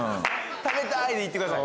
「食べたい！」でいってください